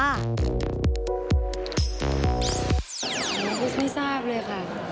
พี่ไม่ทราบเลยค่ะ